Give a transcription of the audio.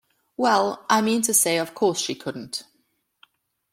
Well, I mean to say, of course she couldn't.